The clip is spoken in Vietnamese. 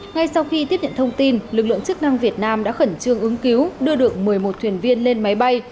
ngay sau khi tiếp nhận thông tin lực lượng chức năng việt nam đã khẩn trương ứng cứu đưa được một mươi một thuyền viên lên máy bay